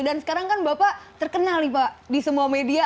dan sekarang kan bapak terkenal di semua media